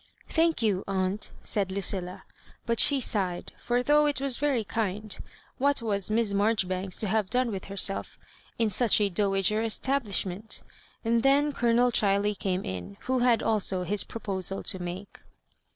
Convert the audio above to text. Thank you, aunt^" said Lucilla» but eke sigh ed ; for, though it was very kind, what was Miss Marjoribanks to have done with herself in such a dowager estabhshment ? And then Colonel Ghiley came in, who bad also his proposal to make.